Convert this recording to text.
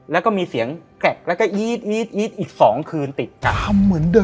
แล้วก็มีเสียงแกะแล้วก็อี๊ดอี๊ดอี๊ดอี๊ดอี๊ด๒คืนติดกัน